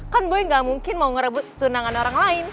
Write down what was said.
kan gue gak mungkin mau ngerebut tunangan orang lain